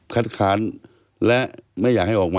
คัดค้านและไม่อยากให้ออกมา